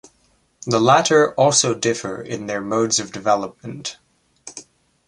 The latter also differ in their modes of development.